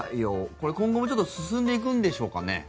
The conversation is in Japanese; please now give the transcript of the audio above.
これ、今後も進んでいくんでしょうかね。